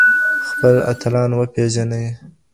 خپل اتلان وپیژنئ.